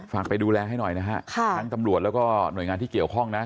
ไปดูแลให้หน่อยนะฮะทั้งตำรวจแล้วก็หน่วยงานที่เกี่ยวข้องนะ